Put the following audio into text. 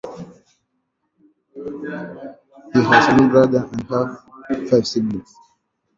He has one brother and five half siblings.